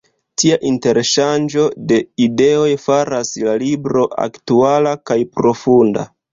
Tia interŝanĝo de ideoj faras la libro aktuala kaj profunda.